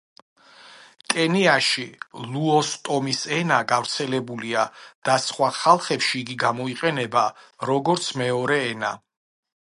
კენიაში ლუოს ტომის ენა გავრცელებულია და სხვა ხალხებში იგი გამოიყენება როგორც მეორე ენა.